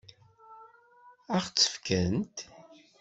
Ad ɣ-tt-fkent?